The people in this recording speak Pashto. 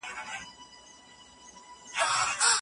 ښه استاد هیڅکله د ځان ښودني هڅه نه کوي.